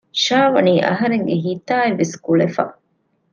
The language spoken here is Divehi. ޝާވަނީ އަހަރެންގެ ހިތާއިވެސް ކުޅެފަ